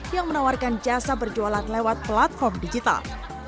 yang menawarkan jasa berjualan lewat platform digital